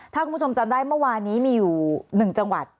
ถ้าคุณผู้ชมจำได้เมื่อวานนี้มีอยู่๑จังหวัด